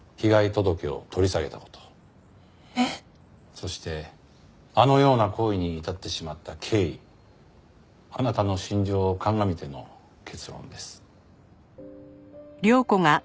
そしてあのような行為に至ってしまった経緯あなたの心情を鑑みての結論です。